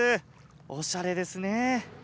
おしゃれですね。